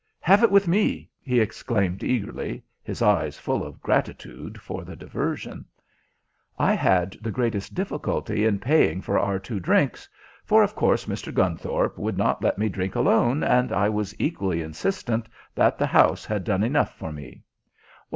Have it with me!" he exclaimed eagerly, his eyes full of gratitude for the diversion. I had the greatest difficulty in paying for our two drinks, for of course Mr. Gunthorpe would not let me drink alone, and I was equally insistent that the house had done enough for me.